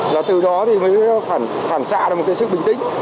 và từ đó thì mới phản xạ được một cái sự bình tĩnh